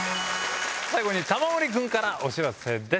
最後に玉森君からお知らせです。